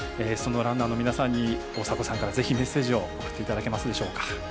そのランナーの皆さんに大迫さんからぜひメッセージをいただけますでしょうか。